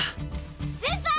先輩！